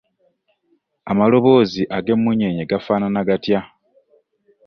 Amaloboozi ag'emmunyeenye gafaanana gatya?